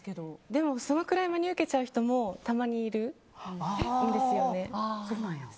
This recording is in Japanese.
でもそのぐらい真に受けちゃう人もたまにいるんですよね。